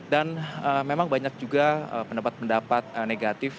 dan memang banyak juga pendapat pendapat negatif